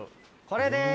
これです。